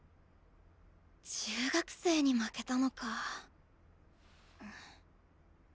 中学生に負けたのか。